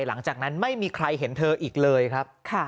หลังจากนั้นไม่มีใครเห็นเธออีกเลยครับ